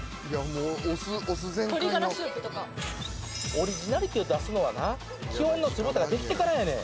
オリジナリティーを出すのはな基本の酢豚ができてからやねん。